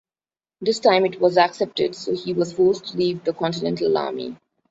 This time it was accepted, so he was forced to leave the continental army.